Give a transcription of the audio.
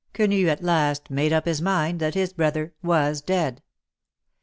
Quenu at last made up his mind that his brother was dead.